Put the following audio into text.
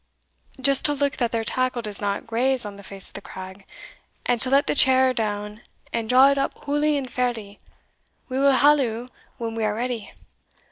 "Just to look that their tackle does not graze on the face o' the crag, and to let the chair down and draw it up hooly and fairly; we will halloo when we are ready."